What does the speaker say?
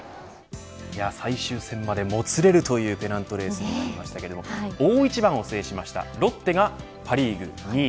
最終戦までもつれるというペナントレースになりましたけれど大一番を制しましたロッテがパ・リーグ２位。